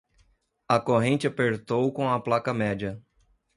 A corrente apertou com a placa média.